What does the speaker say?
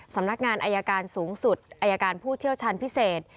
สำนักงานอายการสูงสุดอายการผู้เชี่ยวชาญพิเศษ